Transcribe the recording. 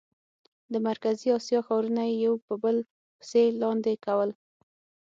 د مرکزي اسیا ښارونه یې یو په بل پسې لاندې کول.